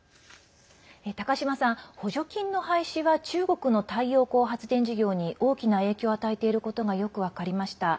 高島さん、補助金の廃止は中国の太陽光発電事業に大きな影響を与えていることがよく分かりました。